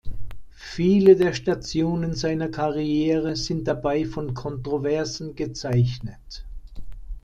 Viele der Stationen seiner Karriere sind dabei von Kontroversen gezeichnet.